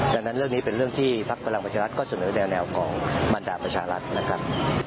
ดังนั้นเรื่องนี้เป็นเรื่องที่พักพลังประชารัฐก็เสนอแนวของบรรดาประชารัฐนะครับ